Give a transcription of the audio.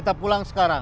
kita pulang sekitar ini